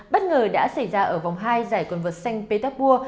bất ngờ đã xảy ra ở vòng hai giải quần vợt xanh peterborough